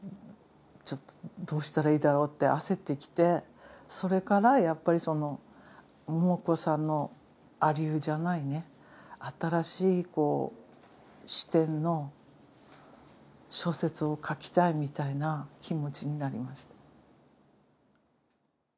ちょっとどうしたらいいだろうって焦ってきてそれからやっぱりその桃子さんの亜流じゃないね新しい視点の小説を書きたいみたいな気持ちになりました。